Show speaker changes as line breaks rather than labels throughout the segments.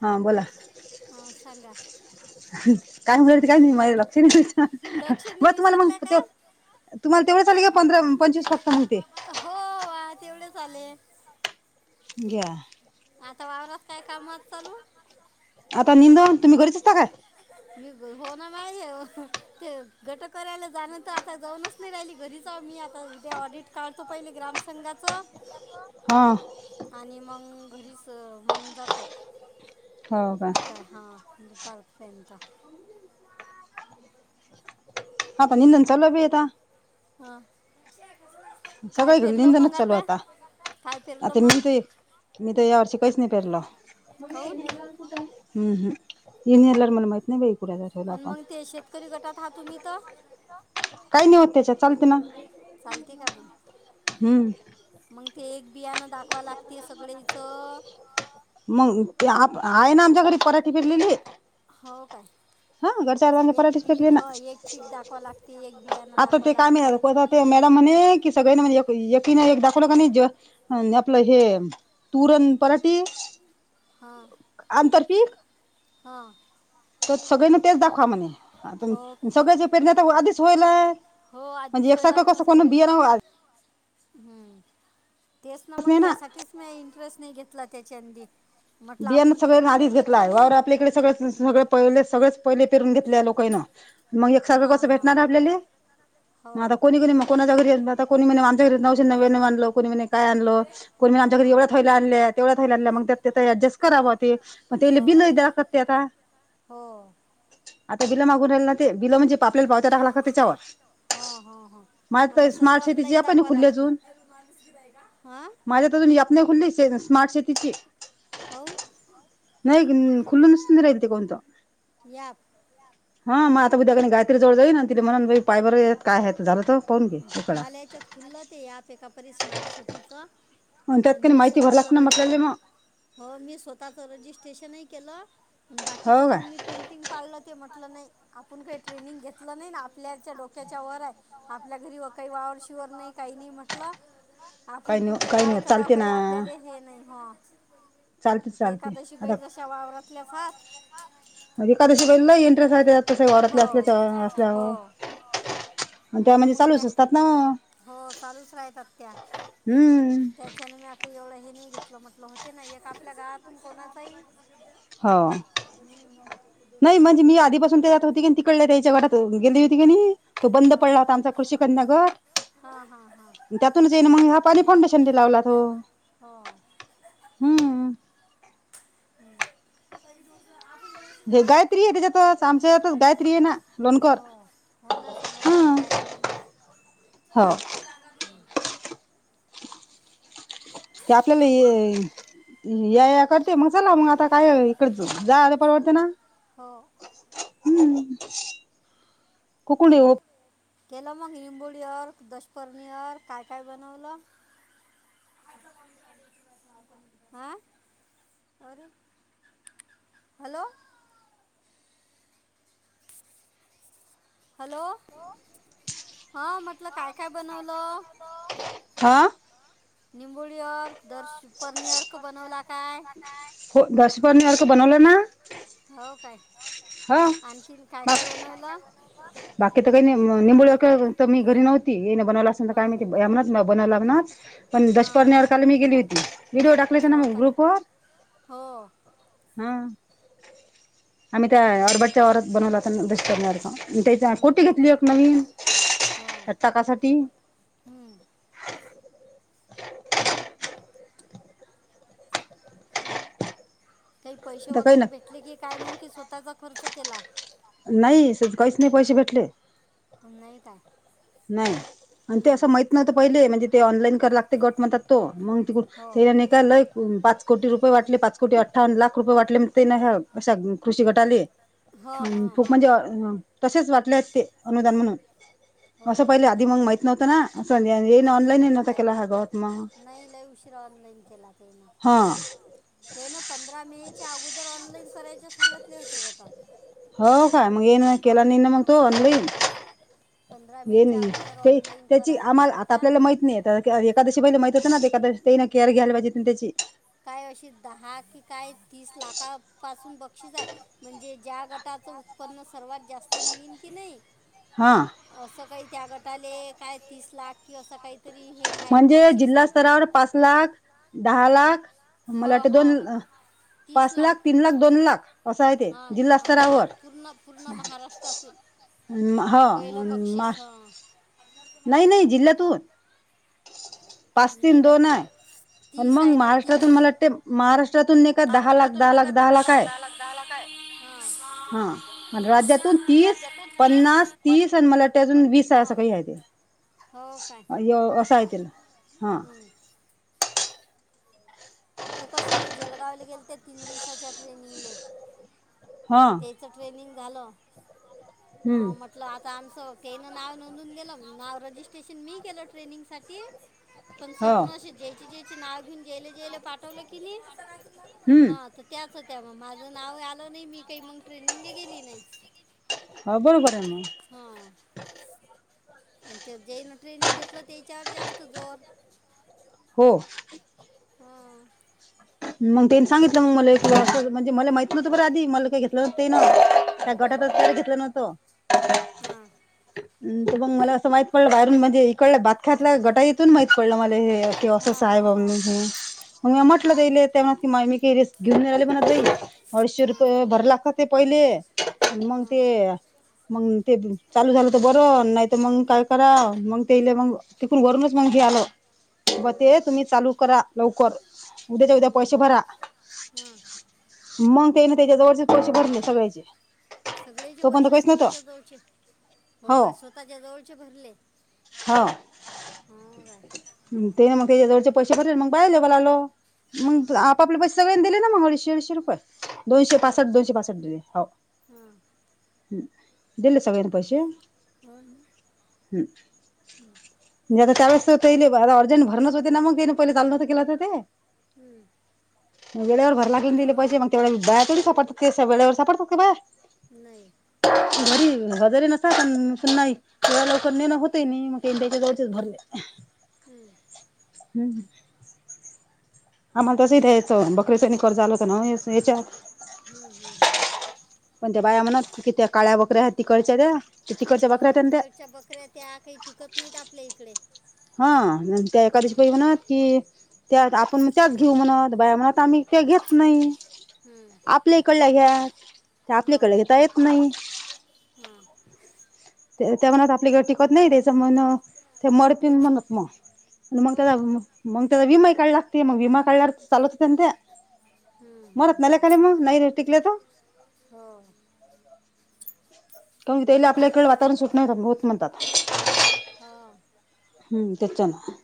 हा बोला.
ह सांगा.
काय बोलत होते काय माझ्या लक्ष नाही
लक्ष
मग
नाही
तुम्हाला मग
विसरल्या
ते
का
तुम्हाला तेवढच आले का पंधरा पंचवीस फक्त मग ते.
हो वा तेवढेच आले.
घ्या
आता वावरात काय काम आहेत चालू.
आता निंदुन, तुम्ही घरीच असता काय?
मी ग हो, ना. [unintelligible] ते घट करायला जाण, तर आता जाऊनच नाही राहिली. घरीचाव मी आता उद्या ऑडिट काढतो. पहिले ग्राम संंघाचं.
हां.
आणि मंग घरीच, मग जातो.
हो का
दुपा, हा. दुपार पर्यंत.
आता निंदन चालूय बाई आता.
हा. [unintelligible]
सगळीकडे निंदनच चालूय आता.
काय फिरलं
आता
मग
मी तर, मी तर या वर्षी काहीच नाही पेरलं. [inaudible]
खाऊन
अं, हम्. इन हेलर, मला माहित नाही बाई कुनाचा [unintelligible]
अन् मग ते शेतकरी गटात, आहात तुम्ही तर.
काही नाही होत त्याच्यात. चालते ना.
आलती का म. [inaudible]
हम्.
मग ते एक बियाणं दाखवाव लागते, सगळेयचं.
मग ते आप आहे ना, आमच्याकडे पराठी फिरलेली.
हो,
अर्धांच्या
काय? एक
पराठीच पेरली
पीक,
ना
ह एक पीक दाखवा लागते. एक बियाणं
आता
दाखवा
ते काय
लागते.
माहित आता ते मॅडम म्हणे, की सगळने म्हण, एक - एकीने एक दाखवलं का नाही, ज आपलं हे तूर न पराठी.
हां.
आंतरपीक
हां.
सगळेनी तेच दाखवा म्हणे. आ
हो काय
सगळच्या पेरन्या तर, आधीच होईलय.
हो. आधीच होयलात ना, सगळेचे. हम्म. तेच ना, मग. त्यासाठीच मी इंटरेस्ट नाही घेतला, त्याच्या नधी.
बियांन सगळेन आधीच घेतलाय. वावर आपल्याकडे सगळं -
हं.
सगळं पहि सगळेच पहिले पेरून घेतलय लोकायनं. मग एक सारखं
हां
कसं,
हां
भेटणार आपल्याले?
हो
मग आता कोणी- कोणी म कोणाच्या घरी आता कोणी म्हने, आमच्या घरी नऊशे- नव्यानव आनल. कोणी म्हने, काय आणल. कोणी म्हने, आमच्या घरी
हां
एवढ्या थयल्या आणल्या. तेवढ्या थयल्या आणल्या. मग त्या अडजस्ट कराव ते. पण ते ले
हो
बि लई दाखवत्यात्या.
हो
आता बिलं मागून राहिला ना ते. बिलं म्हणजे, पा आपल्याला पावत्या टाकलात्या त्याच्यावर.
हा, हा, हा.
माझ
आता
तर
सर्व
स्मार्ट शेतीची
ऑनलाईन
ॲप नाही
दाखवा
खुलली
लागते. [unintelligible] हा.
माझ्यातून [unintelligible] [unintelligible] खुलीचय स्मार्ट सिटीचय.
काऊन?
नाही गं, खुलूनच नाही राहिलते, कोणतं.
ॲप.
हा, मग आता उद्या कनि, गायत्री जवळ जाईनन, तिले म्हनीन बाई, पाय बरे यात काय हाय त झालंत.
मला याच्यात खुलं ते ॲपय का, परी स्मार्ट सिटीचं?
आणि त्यात
अन्,
काही
मी
माहिती
स्वतः
भरलाच
च
ना
र ह.
आपल्याला मग
हो. मी स्वतःच, रजिस्ट्रेशनही केलं. बाकीचं
हो
मग
काय
मी पेंटिंग पाळलं, ते म्हटलं नाही. आपण काही ट्रेनिंग घेतलं नाही. न आपल्याच्या डोक्याच्या वर आहे. आपल्या घरी व काही वावर - शिवर नाही. काही - नाही, म्हटलं.
काही
आपण
नाही
कुठे,
काही
काय
नाही
कराव?
चालते
काही
ना
आपल्याले हे नाही हा,
चालते
ते
चालते
एखादशी
आता
बै जशा वावरातल्याच हात
अ, एकादशी लई एंट्रेस हाय त्यात तसं वावरातल्या
हो,
असल्याच्या असल्यावर
हो.
आणि त्या
मण
म्हणजे
मग
चालूच
म,
असतात ना
हो चालूच राहत आ त्या
हम्म
त्याच्याने मी एवढं हे नाही घेतलं, म्हटलं होते ना एक आपल्या गावातून कोणाचही
हो
[unintelligible]
याच्या गडात गेली होती कनी, तो बंद
हां
पडला होता आमचा कृषी कन्या घर
हा, हा.
त्यातूनच येईन मग, हा पाणी फाउंडेशन दि लावला तो.
हो
हम्म.
[inaudible]
गायत्री हे त्येच्यात आमच्या इथं गायत्री हे ना गोणकर.
हो हो ना सांगितलं ना
ह
गायत्रीनं
[unintelligible]
[inaudible]
ते आपल्याला हे या, या करते म, चला मग आता काय इकड जा परवडत ना?
हो.
हम्म.
बरं हाय, केलं मग लिंबोळीवर, दशफर्णीवर काय- काय बनवलं. [inaudible] ह, अरु हॅलो. हॅलो. हा, म्हटलं काय -काय बनवलं?
हा.
निंबोळीअर्क, दर्शफरनीअर्क बनवला काय?
हो, दशपर्णी अर्क बनवलं ना?
हो काय.
हा, मग काय -काय बनवलं? बाकी तर काही नाही, निंबळ क, तर मी घरी नव्हती, इन बनवला असल तर
हां
काय माहिती. यमनाथ नाही बनवावं लागणार? पण
हां
दशपर्ण
हां
अर्कला मी गेली होती, व्हिडिओ टाकयच ना
हो
म
काय
ग्रुप वर.
हो
हा. आम्ही त्या यारबटा घरात बणवला होता दशपर्ण अर्क. त्याच्या
हं.
कोटी घेतली होती नवीन?
हो
टाकासाठी?
हम्म. काही पैसे
तर काही ना
वगैरे भेटले की काय, मंग की स्वतःचा खर्च केला.
नाही तंस कायचं नाही पैसे भेटले.
उनाई का?
नाही. आणि ते असं माहित नवतं पहिले, म्हणजे ते ऑनलाईन कराय लागते गट म्हणतात तो, मग
हो
ते आणि एक काय लय पाच कोटी रुपये वाटले, पाच कोटी अठ्ठावन लाख रुपये वाटले म ते अशा कृषी गटाली.
हो
हम,
हां
खूप
हां
म्हणजे अ तसेच वाटले आहेत ते, अनुदान म्हणून
हो
असं
का
पहिले आधी मग माहित नव्हतं ना, असं ये
हां
ऑनलाईनही नव्हता केला ह गत मग.
फि, ऑनलाईन केला पूर्ण.
हां.
ते ना पंधरा मे च्या अगोदर ऑनलाइन सरायचे सांगितले होते गटात.
हो का म हेन म केला नाही ना मग तो ऑनलाईन
पंधरा
हे
मेच्या
नाही
अगोदर
ते
ऑनलाईन
त्याची
करा लागत
आम्हाला आता
होता
आपल्याला माहीत नाही तर एकादशी पहिले म माहती होते ना ते एकादशी ते ना केअर घ्यायला पाहिजे त्याची
काय अशी दहा की काय तीस लाखापासून बक्षीस आहे म्हणजे ज्या गट गटाचं उत्पन्न सर्वात जास्त निघेन की नाही
हा
असं काही त्या गटाले काय तीस लाख कि असं काहीतरी हे आहे
म्हणजे
बक्षीस
जिल्हा
आहे
स्तरावर पाच लाख दहा लाख मला
हो
वाटतं
हो हो
दोन पाच लाख तीन लाख दोन लाख असं आहे ते जिल्हा
हां महा
स्तरावर
पूर्ण पूर्ण
ह
महाराष्ट्रातून
मा हो
पहिलं बक्षीस हां
नाही नाही जिल्ह्यातून पाच
नाही
तिन
ना
दोन पण
तीस
मग
आहे ना तीस
महाराष्ट्रातून मला वाटते महाराष्ट्रातून नाहीे का दहा लाख दहा लाख दहा लाख आहे
दहा लाख काय हा
हा राज्यातून तीस
राज्यातून
पन्नास
पण
तीस मला वाटतय अजून वीस असं
हां
काही हाय
हो काय
ते य असा येतील हा
हं. ते कसं ते जळगावले गेले त्या तीन दिवसाच्या ट्रेनिंगले
हा
च ट्रेनिंग झाल
हम्म
हा मग आता आमचं केन नाव नोंदून गेलं नाव रजिस्ट्रेशन मी केलं ट्रेनिंगसाठी पण
हो
सरन ज्यायचे ज्यायचे नाव घेऊन जेले जेले पाठवलं की नाही
हम्म
हा त्याच होत्या मग माझं नाव आलं नाही मी काही मग ट्रेनिंगले गेली नाही
हो बरोबर आहे म
हा ते जेन ट्रेनिंग घेतलं त्याच्यावर जास्त जोर
हो
हा
मग तेने सांगितलं मग मले म्हणजे मला माहित नवतं बरं आधी मला काय घेतलं नव्हत तेन त्या
हां
गटातच तर घेतलं नव्हत
हां
त मग मला असं माहित पडलं बाहेरून म्हणजे इकडलं अख्यातल्या गटाईतून माहित पडलं मला हे असं स
हां हां
आहे
हां
बाब
हां
म म म्हटलं तर तेव्हा की मा मी काही रिस्क घेऊन राहिले म्हणत बाई अडीचशे रुपये भरला लागतात ते पहिले मग
हां
ते मंग ते चालू झालं तर बरं नाहीतर मग काय करा मग तेले मग तिकून वरूनच मग घ्यायलं ब
हम्म,
ते तुम्ही चालू करा लवकर उद्याच्या उद्या
हम्म,
पैसे
हम्म.
भरा
हां
मग त्याने त्याच्या जवळचे पैसे भरले सगळ्याचे
सगळेचे
तोपर्यंत
पैसे
काहीच नव्हतं
स्वतःच्या जवळचे, हो काय, स्वतःच्या जवळचे भरले
हो,
हो काय
तेन मग त्याच्या जवळचे पैसे भरले, मग बाहेर जेवयला आलो
हां
मग आपापले पैसे सगळे ने दिले ना मग, अडीचशे अडीशे रुपये दोनशे
हो
पासष्ट
का
दोनशे पासष्ट दिले, हो
हां
हम दिले सगळ्यांनी पैसे
हो ना
हम्म म्हणजे आता त्यावेळेस ते आता अर्जंट भरणच होते ना मग, त्याने पहिले चालू होतं केला तर ते
हम्म.
वेळेवर भरला [unintelligible] मग ते बाया थोडी सापडत्यात ते, वेळेवर सापडतात का बाया?
नाही.
घरी [unintelligible] पण नाही. एवढ्या लवकर नाही ना होत. ते मी मग ते त्याच्या जवळचेच भरले.
हम्म.
हम्म. आम्हाला तसंही द्यायचं. बकरीच आणि कर्ज आलं होत ना याच्यावर.
हम्म. हम्म. हम्म.
पण त्या बाया म्हणत कि, त्या काळ्या बकऱ्या आहेत तिकडच्या त्या? तिकडच्या बकऱ्या त्या.
त्या बकऱ्या - त्या काही टिकत नाहीत आपल्या इकडे.
हां. त्या एखाद
हां
बाई म्हणत की त्या, आपण त्याच घेऊ म्हणत. बाया म्हणत आम्ही- त्या घेत नाही.
हम्म,
आपल्या इकडल्या घ्या. ते आपल्या
हो
कडे घेता येत नाही.
हां
ते त्या म्हणत आपली कडे टिकत नाही. त्याच्यामुळं म्हण ते
तर
मरतील
मग
म्हणत म मग
हो
त्याला, मग त्याला विमा काढावी लागती. मग विमा काढल्यावर चालतं होत्या ना त्या.
हम्म,
मरत [unintelligible] नाही मग टिकल्या तर.
हो.
[unintelligible] त्याला आपल्याकडे वातावरण सुट नाही होत म्हणतात.
हां.
हं. तेच आहे म.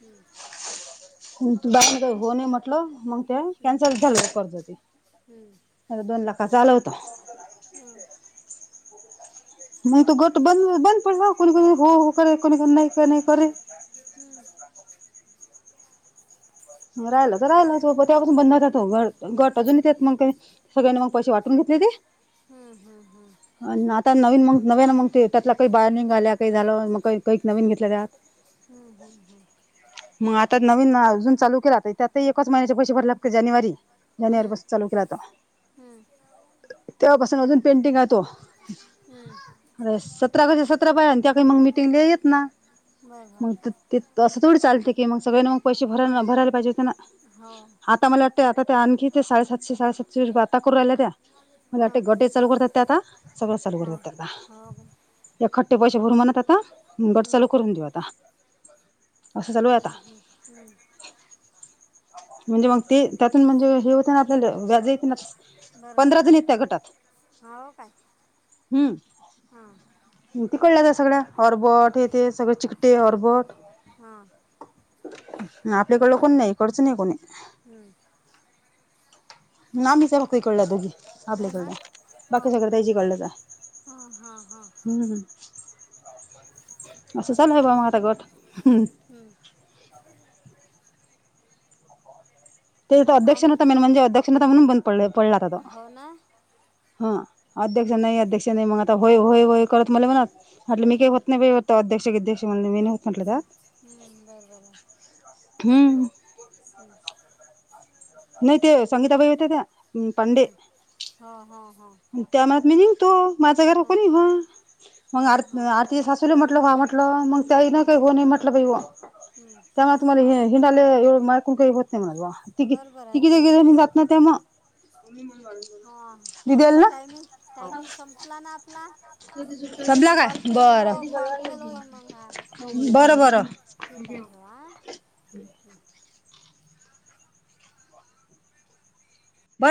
हम.
[unintelligible] काही हो नाही म्हटलं मग. ते
हम्म,
कॅन्सलच झालं कर्ज ते.
हम्म,
दोन लाखाच आल होत.
हं.
मग तो गट बंद बंद पडला. कोणी कोणी हो हो करे कोणी कोणी नाही कर नाही करे.
हम्म.
मग राहिल त राहिल ते. [unintelligible] बंद [unintelligible] अजून येत मग ते. सगळ्यांनी मग पैसे वाटून घेतले ते.
हम्म. हम्म. हम्म.
हां. आता नवीन मग नव्यान, मग ते, त्यातला काही बाया नाही आल्या. काही झालं मग का काही नवीन घेतल्या त्या.
हम्म. हम्म. हम्.
मग आता नवीन अजून चालू केला. तर त्यातही एकाच महिन्याचे पैसे भरले लागते जानेवारी. जानेवारी
हम्म,
पासून चालू केलाता.
हम्म,
तेव्हापासून अजून पेंडिंग आहे तो.
हम्म.
अरे सतरा गावच्या सतरा बाया एत आणि त्या काही मग मिटिंगला येईत ना.
बरोबर
मग
आहे.
ते ते असं थोडं चालते की मग सगळ्यांनी मग पैसे भय भरायला पाहिजे होते ना?
हो हां
आता मला वाटतंय, आता त्या आणखी ते साडे सातशे साडे सातशे रुपये आता बाता करू राहिल्या त्या. मला वाटते गटही चालू करत्यात त्या आता. सगळंच चालू
हां
करतात आता.
हो का
ईखट्टे पैसे भरु म्हणत आता गट
हम्म,
चालू करून देऊ आता. असं चालूय आता.
हं हम्म.
म्हणजे मग ते, त्यातून म्हणजे हे होते ना? आपल्याला व्याज येत ना? पंधरा जणी आहेत त्या गटात.
होयं कायं
तीकळे कळलां जां सगळ्यां ऑरबोट हे ते सगळें चिकटे ऑरबोट
हां
आपल्याकडलं कोणं नाहीं इकडचं नाहीं कोणी
हम्मं
नां मीच फक्ती कळलं दोझी
हो ना
आपल्याकडलं बाकी सगळं त्यांची कळलंच आहे
हं हां हां
हम्मं असं चालूं आहे बां मं गंट
हम्मं
ते
आणि
अध्यक्षांनी म्हणे अध्यक्षता म्हणूंन बंद प पडला होतां तो
होणां
हां अध्यक्ष नाहीं अध्यक्ष नाहीं मंग आंता होयं होयं होयं करतं मले म्हणंत म्हटलं मी कांहीं होतं नाहीं होतं अध्यक्ष गध्यक्ष म्हंण मी नाहीं होतं म्हटलं त्यांत
हम्मं बरं बरं आहे
हम्म
स् [unintelligible]
नाहीं ते संगीताबाई होते त्यां पांडे
हां हां हां
त्यां मं मी निघतो माझं घरं कोणी हो मंग
हां हां
आरती ची सासू तूम्हीं म्हटलं हं म्हटलं मंग त्यांई नां कांहीं हो नाहीं म्हटलं बां हो
हं.
त्यांमुळे तुम्हांला हे हिंडाले एवढं कुंण कांहीं हो नाहीं म्हणां
बरोबर आहे
तिकीट हं
त्याचंच
नां ते म्हां
हां आपलां टायमिंग टाइमिंग संपला नां आपलां
संपला कायं बरं
कॉल फेल होईल मग हा
बरं बरं
ठीक आहे ठेवां